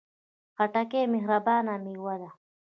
خټکی مهربانه میوه ده.